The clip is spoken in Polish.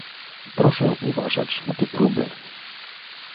Proszę uważać na te próby